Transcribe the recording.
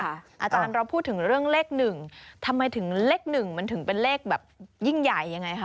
อาจารย์เราพูดถึงเรื่องเลข๑ทำไมถึงเลข๑มันถึงเป็นเลขแบบยิ่งใหญ่ยังไงคะ